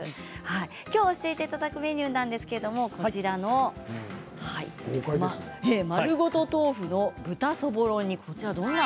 きょう教えていただくメニューなんですがこちらの丸ごと豆腐の豚そぼろ煮。